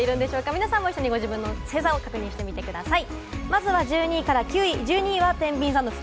皆さんもご自身の星座を確認してみてください。